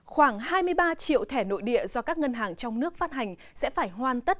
khoảng hai mươi ba triệu thẻ nội địa do các ngân hàng trong nước phát hành sẽ phải hoàn tất